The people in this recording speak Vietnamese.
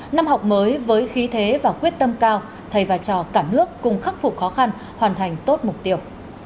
năm học mới với khí thế và quyết tâm cao thầy và trò cả nước cùng khắc phục khó khăn hoàn thành tốt mục tiêu